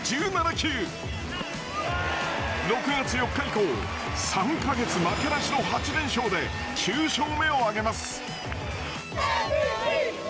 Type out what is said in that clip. ６月４日以降３か月負けなしの８連勝で９勝目を挙げます。